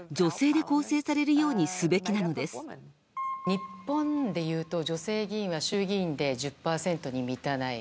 日本でいうと女性議員は衆議院で１０％に満たない。